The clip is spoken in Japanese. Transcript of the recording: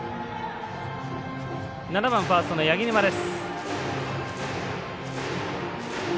７番ファーストの柳沼です。